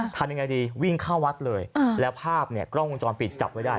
ทำยังไงดีวิ่งเข้าวัดเลยแล้วภาพเนี่ยกล้องวงจรปิดจับไว้ได้